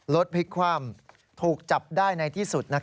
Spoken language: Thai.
พลิกคว่ำถูกจับได้ในที่สุด